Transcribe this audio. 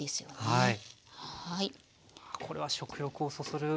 はい。